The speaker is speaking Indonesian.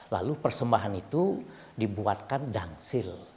lalu persembahan itu dibuatkan dangsil